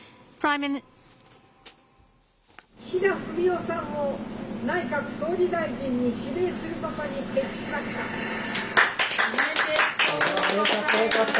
岸田文雄さんを内閣総理大臣に指名することに決しました。